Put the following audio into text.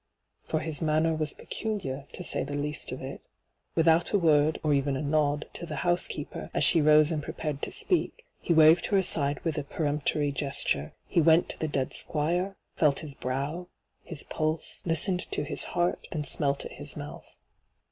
For his manner was peculiar, to say the least of it. Without a word, or even a nod, to the housekeeper, as she rose and prepared to speak, he waved her aside with a peremptory gesture : he went to the dead Squire, felt his brow, his pulse, listened to his heart, then smelt at his mouth.